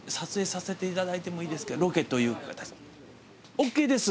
ＯＫです。